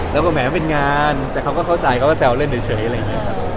แล้วมันแหวะเป็นงานเขาอาจจะเข้าใจสาวเล่นเถอเล่นเลย